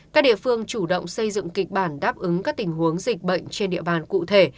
các địa phương chủ động xây dựng kịch bản đáp ứng các tình huống dịch bệnh trên địa bàn cụ thể